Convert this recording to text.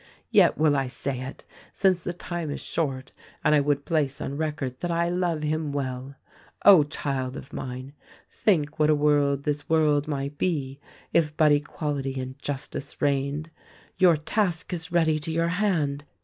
Yet will I say it, since the time is short and I would place on record that I love him well. "O child of mine ! Think what a world this world might be if but equality and justice reigned. "Your task is ready to your hand.